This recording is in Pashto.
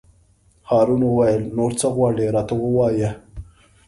هارون وویل: نور څه غواړې راته ووایه.